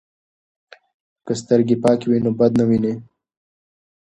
که سترګې پاکې وي نو بد نه ویني.